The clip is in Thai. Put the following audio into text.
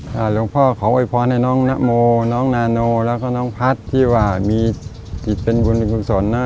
หลวงพ่อขอโวยพรให้น้องนโมน้องนาโนแล้วก็น้องพัฒน์ที่ว่ามีจิตเป็นบุญมีกุศลนะ